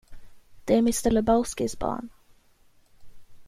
Det är mr Lebowskis barn...